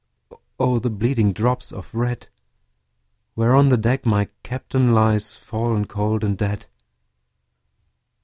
O the bleeding drops of red, Where on the deck my Captain lies, Fallen cold and dead.